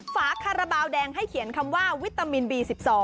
ฝาคาราบาลแดงให้เขียนคำว่าวิตามินบี๑๒